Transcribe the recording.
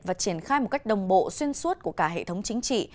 và triển khai một cách đồng bộ xuyên suốt của cả hệ thống chính trị